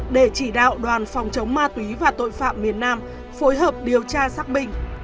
để chỉ đạo đoàn phòng chống ma túy và tội phạm miền nam phối hợp điều tra xác minh